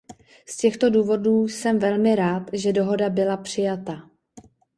Z těchto důvodů jsem velmi rád, že dohoda byla přijata.